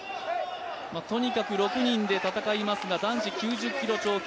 とにかく６人で戦いますが男子９０キロ超級。